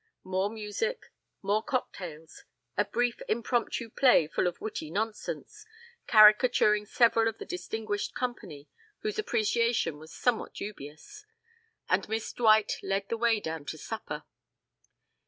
More music, more cocktails, a brief impromptu play full of witty nonsense, caricaturing several of the distinguished company, whose appreciation was somewhat dubious, and Miss Dwight led the way down to supper.